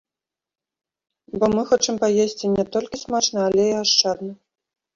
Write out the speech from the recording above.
Бо мы хочам паесці не толькі смачна, але і ашчадна.